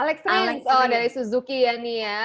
alex sales oh dari suzuki ya nih ya